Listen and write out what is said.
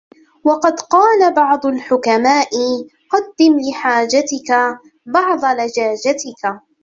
وَقَدْ قَالَ بَعْضُ الْحُكَمَاءِ قَدِّمْ لِحَاجَتِك بَعْضَ لَجَاجَتِك